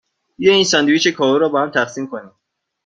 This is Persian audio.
بیا این ساندویچ کاهو را باهم تقسیم کنیم.